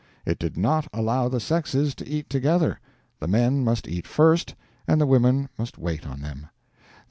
It did not allow the sexes to eat together; the men must eat first, and the women must wait on them.